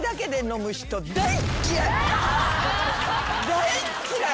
大っ嫌い！